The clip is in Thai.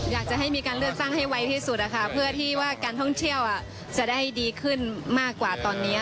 อยากจะให้มีการเลือกตั้งให้ไวที่สุดนะคะเพื่อที่ว่าการท่องเที่ยวจะได้ดีขึ้นมากกว่าตอนนี้